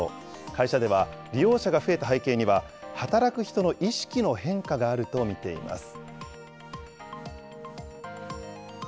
会社では、利用者が増えた背景には、働く人の意識の変化があると見ています。